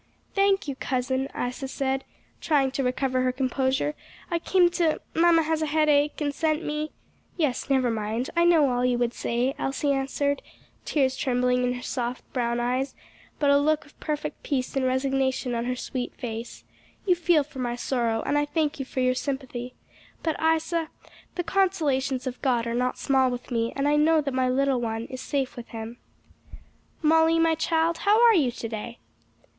"Thank you, cousin," Isa said, trying to recover her composure. "I came to mamma has a headache, and sent me " "Yes; never mind, I know all you would say," Elsie answered, tears trembling in her soft brown eyes, but a look of perfect peace and resignation on her sweet face; "you feel for my sorrow, and I thank you for your sympathy. But Isa, the consolations of God are not small with me, and I know that my little one is safe with him. "Molly, my child, how are you to day?"